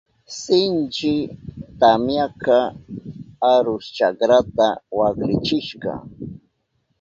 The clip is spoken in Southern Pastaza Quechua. Sinchi tamyaka arus chakrata waklichishka.